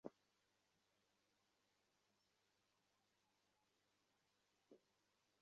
জানি না এটা নির্দিষ্ট না কেন।